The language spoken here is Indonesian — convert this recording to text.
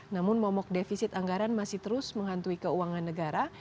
namun momok defisit anggaran masih terus menghantui keuangan negara